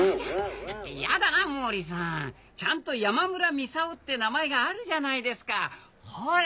やだな毛利さんちゃんと山村ミサオって名前があるじゃないですかほら！